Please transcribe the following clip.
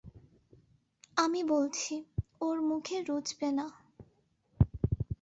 আমি বলছি, ওর মুখে রুচবে না!